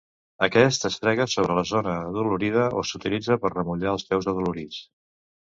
Aquest es frega sobre la zona adolorida o s'utilitza per remullar els peus adolorits.